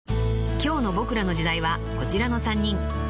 ［今日の『ボクらの時代』はこちらの３人］